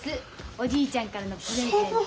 おじいちゃんからのプレゼント。